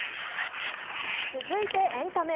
続いてエンタメ。